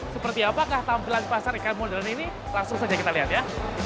seperti apakah tampilan pasar ikan modern ini langsung saja kita lihat ya